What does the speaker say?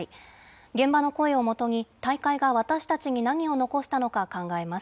現場の声をもとに、大会が私たちに何を残したのか考えます。